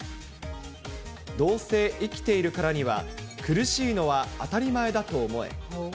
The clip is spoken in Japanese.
どうせ生きているからには、苦しいのは当たり前だと思え。